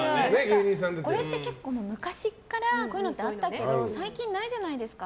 これって結構、昔からこういうのってあったけど最近ないじゃないですか。